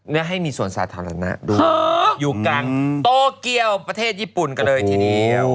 เพื่อให้มีสวนสาธารณะด้วยอยู่กลางโตเกียวประเทศญี่ปุ่นกันเลยทีเดียว